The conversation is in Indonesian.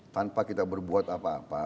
tanpa kita berbuat apa apa